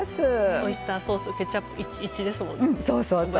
オイスターソースケチャップ、１対１ですもんね。